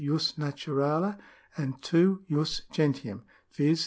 jus naturale, and (2) jus gentium, viz.